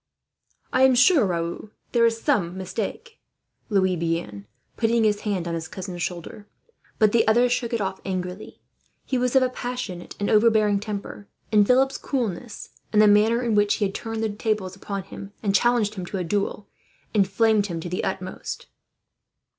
"I am sure, Raoul, there is some mistake," Louis began, putting his hand on his cousin's shoulder. But the other shook it off, angrily. He was of a passionate and overbearing temper, and Philip's coolness, and the manner in which he had turned the tables upon him and challenged him to a duel, inflamed him to the utmost.